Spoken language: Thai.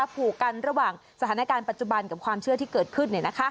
ผูกกันระหว่างสถานการณ์ปัจจุบันกับความเชื่อที่เกิดขึ้น